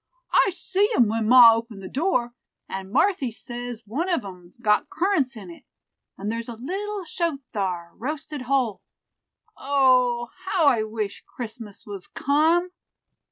I see 'em when ma opened the door; and Marthy says one of 'em got currants in it, and there's a little shoat thar roasted whole. O! how I wish Christmas was come."